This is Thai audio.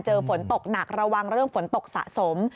ฝนตกหนักระวังเรื่องฝนตกสะสม